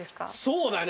そうだね。